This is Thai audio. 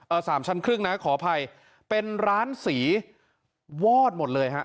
สามชั้นครึ่งนะขออภัยเป็นร้านสีวอดหมดเลยฮะ